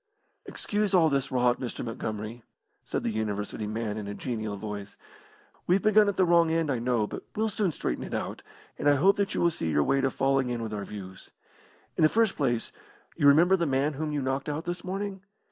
"Excuse all this rot, Mr. Montgomery," said the University man, in a genial voice. "We've begun at the wrong end, I know, but we'll soon straighten it out, and I hope that you will see your way to falling in with our views. In the first place, you remember the man whom you knocked out this morning?